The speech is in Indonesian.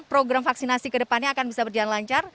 program vaksinasi ke depannya akan bisa berjalan lancar